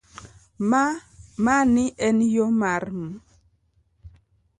Mani en yo mar m